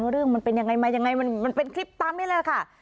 ว่าเรื่องมันเป็นยังไงมันเป็นคลิปตามนี้เลยค่ะ